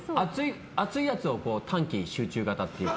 熱いやつを短期集中型というか。